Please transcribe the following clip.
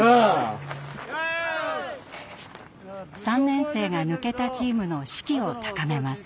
３年生が抜けたチームの士気を高めます。